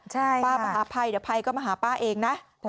ใช่ค่ะป้ามาหาไพ่เดี๋ยวไพ่ก็มาหาป้าเองนะ